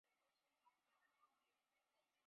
仕至湖广按察使司副使。